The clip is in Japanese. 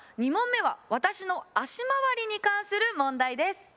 ２問目は私の足回りに関する問題です。